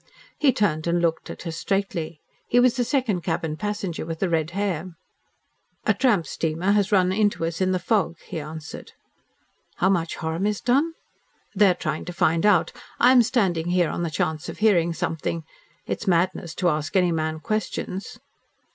He turned and looked at her straitly. He was the second cabin passenger with the red hair. "A tramp steamer has run into us in the fog," he answered. "How much harm is done?" "They are trying to find out. I am standing here on the chance of hearing something. It is madness to ask any man questions."